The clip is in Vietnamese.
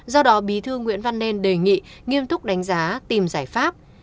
do đó bí thư nguyễn văn nên đề nghị nghiêm túc đánh giá tìm giải pháp